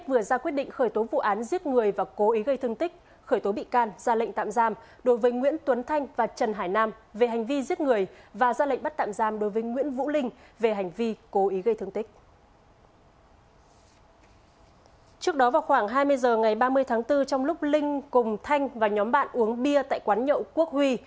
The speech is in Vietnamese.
trước đó vào khoảng hai mươi h ngày ba mươi tháng bốn trong lúc linh cùng thanh và nhóm bạn uống bia tại quán nhậu quốc huy